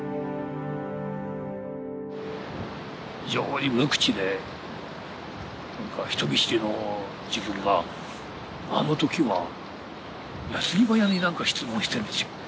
非常に無口で人見知りの自分があの時は矢継ぎ早になんか質問してるんですよ。